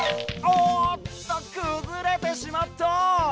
おおっとくずれてしまった！